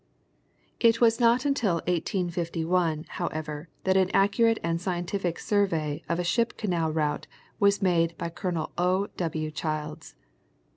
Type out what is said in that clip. It was not until 1851, however, that an accurate and scientific survey of a ship canal'route was made by Col. O. W. Childs.